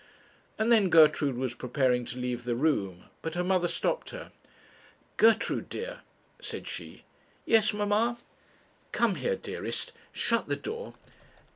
And then Gertrude was preparing to leave the room, but her mother stopped her. 'Gertrude, dear,' said she. 'Yes, mamma.' 'Come here, dearest; shut the door.